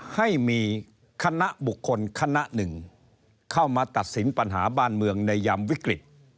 ให้มีคณะบุคคลคณะหนึ่งเข้ามาตัดสินปัญหาบ้านเมืองในยามวิกฤต